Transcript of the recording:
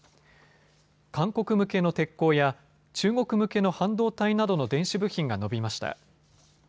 韓国向けの鉄鋼や中国向けの半導体などの電子部品が伸びました。